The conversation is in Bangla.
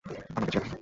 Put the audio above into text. আমার কাছে কেন এসেছ?